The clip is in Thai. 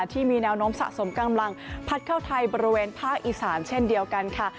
ที่มีแนวโน้มสะสมกำลังพัดเข้าไทยบริเวณภาคอีสานเช่นเดียวกันค่ะ